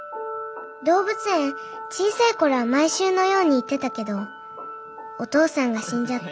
動物園小さい頃は毎週のように行ってたけどお父さんが死んじゃって。